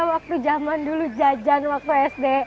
waktu zaman dulu jajan waktu sd